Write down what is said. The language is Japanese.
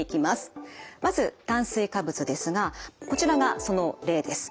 まず炭水化物ですがこちらがその例です。